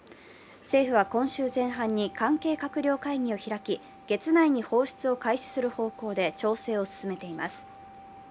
政府は今週前半に、関係閣僚会議を開き、月内に放出を開始する方向で調整を進めています。